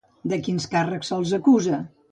De quins càrrecs se'ls acusa?